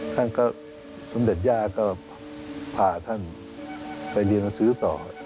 ท่านก็สมเด็จย่าก็พาท่านไปเรียนหนังสือต่อ